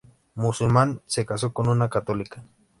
Musulmán, se casó con una católica.